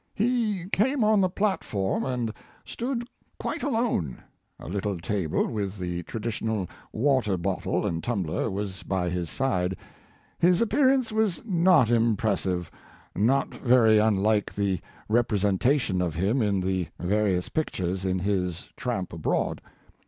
He came on the platform and stood quite alone. A little table, with the traditional water bottle and tumbler, was by his side. His appearance was not impressive, not very unlike the rep resentation of him in the various pictures in his Tramp Abroad.